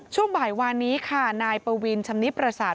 ช่วงบ่ายวานนี้ค่ะนายปวินชำนิดประสาท